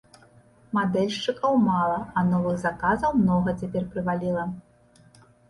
Мадэльшчыкаў мала, а новых заказаў многа цяпер прываліла.